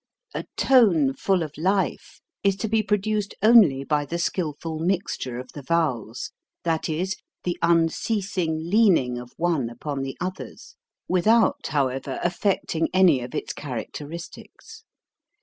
A tone full of life is to be produced only by the skilful mixture of the vowels, that is, the unceasing leaning of one upon the others, without, however, affecting any of its charac teristics.